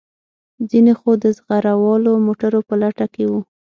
ځینې خو د زغره والو موټرو په لټه کې وو.